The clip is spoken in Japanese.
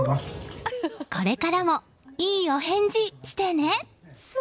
これからもいいお返事してね。